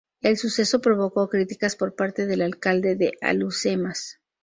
El suceso provocó críticas por parte del alcalde de Alhucemas.